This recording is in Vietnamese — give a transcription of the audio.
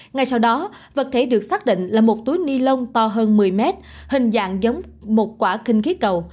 ngay sau đó vật thể được xác định là một túi ni lông to hơn một mươi mét hình dạng giống một quả kinh khí cầu